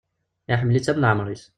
Iḥemmel-itt am leɛmer-is.